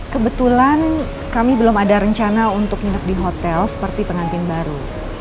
kebetulan kami belum ada rencana untuk nginep di hotel seperti pengantin baru